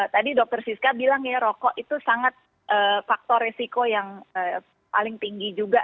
tadi dokter siska bilang ya rokok itu sangat faktor resiko yang paling tinggi juga